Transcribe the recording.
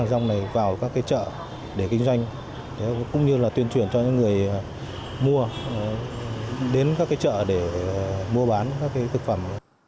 rong này vào các chợ để kinh doanh cũng như là tuyên truyền cho những người mua đến các chợ để mua bán các thực phẩm